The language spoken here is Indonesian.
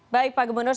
baik pak gubernur